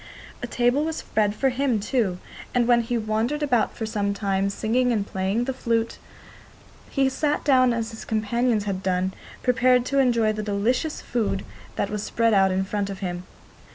A table was spread for him too, and when he had wandered about for some time, singing and playing the flute, he sat down as his companions had done, prepared to enjoy the delicious food that was spread out in front of him.